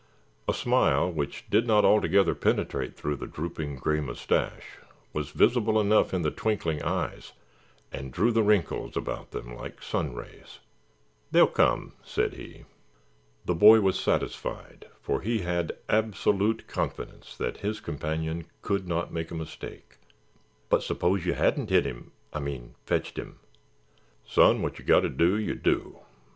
A smile which did not altogether penetrate through the drooping gray mustache was visible enough in the twinkling eyes and drew the wrinkles about them like sun rays. "They'll come," said he. The boy was satisfied for he had absolute confidence that his companion could not make a mistake. "But suppose you hadn't hit him—I mean fetched him?" "Son, wot yer got to do, yer do.